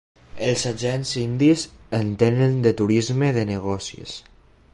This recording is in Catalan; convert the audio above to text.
Els agents indis entenen de turisme de negocis